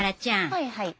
はいはい。